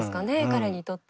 彼にとっては。